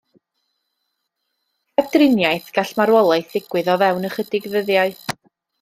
Heb driniaeth gall marwolaeth ddigwydd o fewn ychydig ddyddiau.